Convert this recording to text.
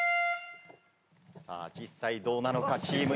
「実際どうなの課チーム」